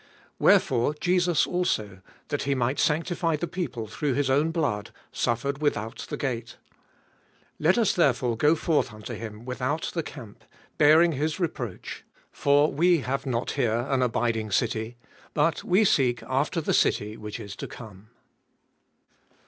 12. Wherefore Jesus also, that He might sanctify the people through his own blood, suffered without the gate. 13. Let us therefore go forth unto him without the camp, bearing his reproach. 14. For we have not here an abiding city, but we seek after the city which Is to come.